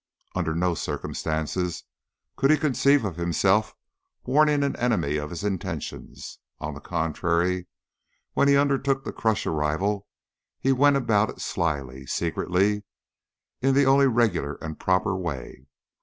Under no circumstances could he conceive of himself warning an enemy of his intentions; on the contrary, when he undertook to crush a rival he went about it slyly, secretly, in the only regular and proper way.